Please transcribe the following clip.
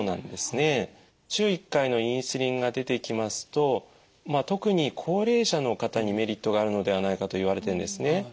週１回のインスリンが出てきますとまあ特に高齢者の方にメリットがあるのではないかといわれてるんですね。